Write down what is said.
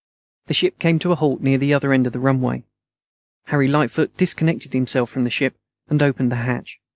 The ship came to a halt near the other end of the runway. Harry Lightfoot disconnected himself from the ship and opened the hatch.